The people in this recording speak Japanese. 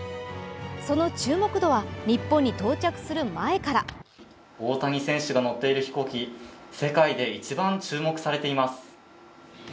その注目度は、日本に到着する前から大谷選手が乗っている飛行機、世界で一番注目されています。